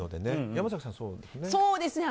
山崎さん、そうですよね。